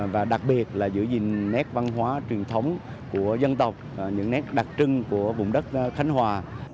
và đặc biệt là giữ gìn nét văn hóa truyền thống của dân tộc những nét đặc trưng của vùng đất khánh hòa